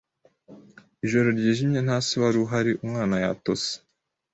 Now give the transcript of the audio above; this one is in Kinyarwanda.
Ijoro ryijimye nta se wari uhari Umwana yatose